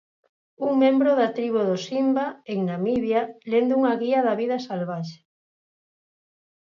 Un membro da tribo dos Himba, en Namibia, lendo unha guía da vida salvaxe.